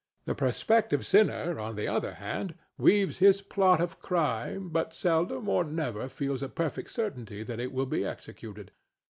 The prospective sinner, on the other hand, weaves his plot of crime, but seldom or never feels a perfect certainty that it will be executed.